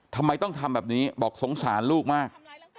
ทำไมต้องทำแบบนี้บอกสงสารลูกมาก